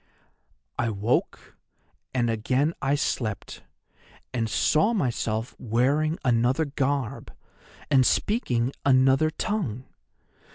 "'I woke, and again I slept, and saw myself wearing another garb, and speaking another tongue.